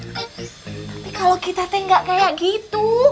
tapi kalau kita teh nggak kayak gitu